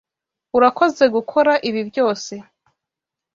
Urakoze gukora ibi byose.